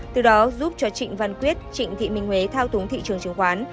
từ đó giúp cho trịnh văn quyết trịnh thị minh huế thao túng thị trường chứng khoán